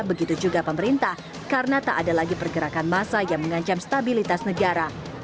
begitu juga pemerintah karena tak ada lagi pergerakan masa yang mengancam stabilitas negara